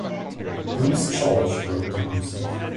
Bruce George wrote the music.